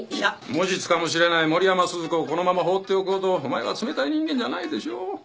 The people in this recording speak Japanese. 無実かもしれない森山鈴子をこのまま放っておくほどお前は冷たい人間じゃないでしょねっ？